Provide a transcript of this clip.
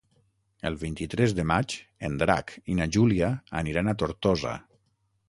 El vint-i-tres de maig en Drac i na Júlia aniran a Tortosa.